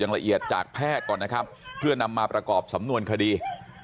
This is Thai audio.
ละเอียดจากแพทย์ก่อนนะครับเพื่อนำมาประกอบสำนวนคดี